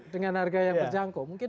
dengan harga yang berjangkau